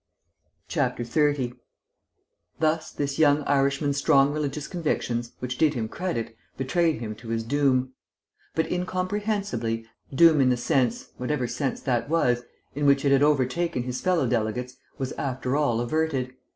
30 Thus this young Irishman's strong religious convictions, which did him credit, betrayed him to his doom. But, incomprehensibly, doom in the sense (whatever sense that was) in which it had overtaken his fellow delegates, was after all averted.